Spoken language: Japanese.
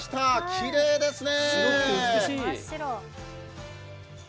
きれいですね。